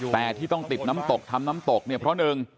แต่ที่ต้องติดน้ำตกทำน้ำตกเนี่ยเพราะหนึ่ง